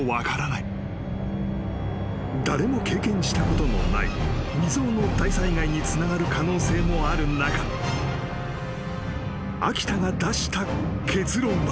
［誰も経験したことのない未曽有の大災害につながる可能性もある中秋田が出した結論は］